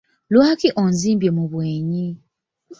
Lwaki onzimbye mu bwenyi?